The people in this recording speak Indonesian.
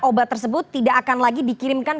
obat tersebut tidak akan lagi dikirimkan